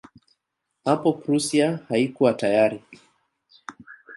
Hapo Prussia haikuwa tayari.